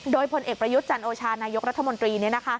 โดยผลเอกประยุทธ์จันโอชานายกรัฐมนตรี